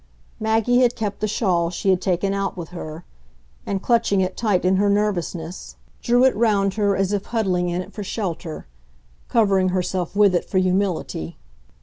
Maggie had kept the shawl she had taken out with her, and, clutching it tight in her nervousness, drew it round her as if huddling in it for shelter, covering herself with it for humility.